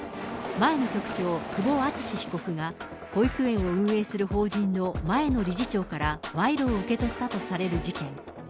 前の局長、久保敦被告が、保育園を運営する法人の前の理事長から賄賂を受け取ったとされる事件。